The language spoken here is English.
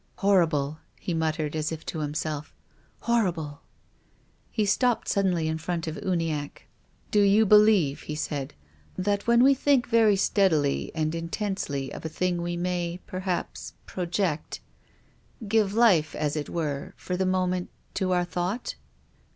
" Horrible !" he muttered, as if to himself. " Hor rible!" He stopped suddenly in front of Uniacke. 90 TONGUES OF CONSCIENCE. " Do you believe," he said, " that when we think very steadily and intensely of a thing we may, per haps, project — give life, as it were, for the moment to our thought?"